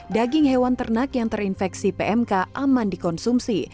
daging hewan ternak yang terinfeksi pmk aman dikonsumsi